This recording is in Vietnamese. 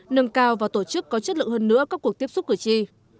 nâng cao và tổ chức có chất lượng hơn nữa các cuộc tiếp xúc cử tri